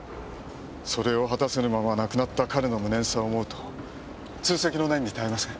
それを果たせぬまま亡くなった彼の無念さを思うと痛惜の念に堪えません。